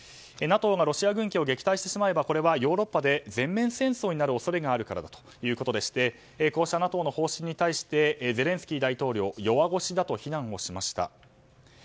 ＮＡＴＯがロシア軍機を撃退してしまえばこれはヨーロッパで全面戦争になる恐れがあるからだということでしてこうしたＮＡＴＯの方針に対してゼレンスキー大統領は弱腰だと非難をしました。